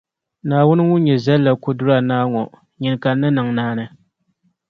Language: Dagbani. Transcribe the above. Naawuni ŋun nyɛ Zallakudura Naa ŋɔ, nyini ka n ni niŋ naani.